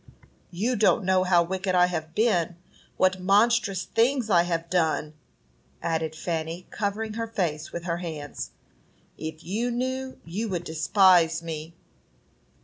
"You don't know how wicked I have been; what monstrous things I have done," added Fanny, covering her face with her hands. "If you knew, you would despise me."